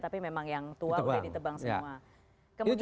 tapi memang yang tua udah ditebang semua